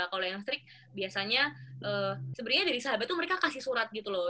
kalau yang strict biasanya sebenarnya dari sahabat tuh mereka kasih surat gitu loh